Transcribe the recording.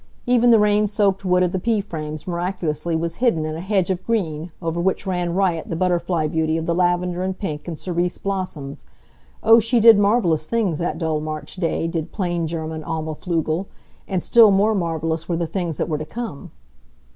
Even the rain soaked wood of the pea frames miraculously was hidden in a hedge of green, over which ran riot the butterfly beauty of the lavender, and pink, and cerise blossoms. Oh, she did marvelous things that dull March day, did plain German Alma Pflugel! And still more marvelous were the things that were to come.